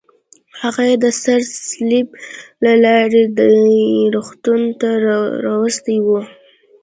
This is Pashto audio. هغه یې د سره صلیب له لارې دې روغتون ته راوستی و.